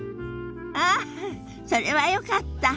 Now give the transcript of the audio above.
ああそれはよかった。